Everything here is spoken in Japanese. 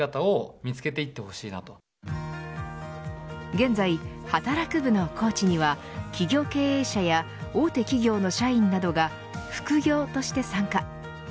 現在、はたらく部のコーチには企業経営者や大手企業の社員などが副業として参加。